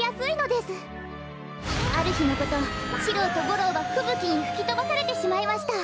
あるひのことシローとゴローがふぶきにふきとばされてしまいました。